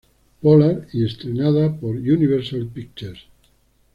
Pollard y estrenada por Universal Pictures.